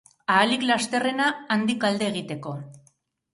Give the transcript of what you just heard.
Ahalik lasterrena handik alde egiteko